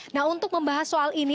nah untuk membahas soal ini